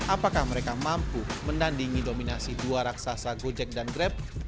apakah mereka mampu menandingi dominasi dua raksasa gojek dan grab